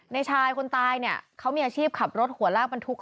ในชายคนตายเนี่ยเขามีอาชีพขับรถหัวลาคไม้